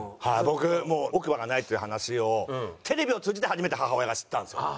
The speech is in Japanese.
僕奥歯がないっていう話をテレビを通じて初めて母親が知ったんですよ。